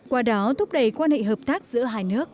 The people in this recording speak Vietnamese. qua đó thúc đẩy quan hệ hợp tác giữa hai nước